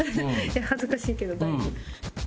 恥ずかしいけどだいぶ。